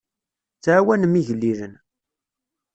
Tettɛawanem igellilen.